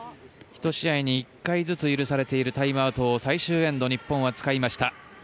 １試合に１回ずつ許されているタイムアウトを最終エンド、日本は使いました。